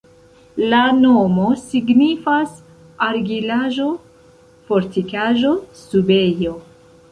La nomo signifas: argilaĵo-fortikaĵo-subejo.